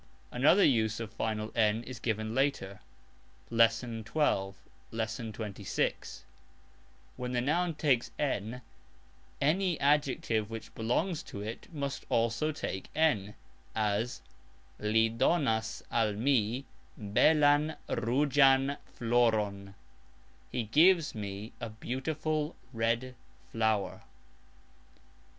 (ii.). Another use of final "n" is given later [Lesson 12, Lesson 26] ] When the noun takes "n", any adjective which belongs to it must also take "n", as, "Li donas al mi belan rugxan floron", He gives me a beautiful red flower.